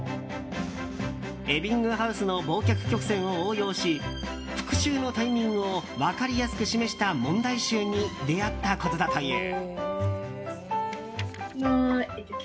エビングハウスの忘却曲線を応用し復習のタイミングを分かりやすく示した問題集に出会ったことだという。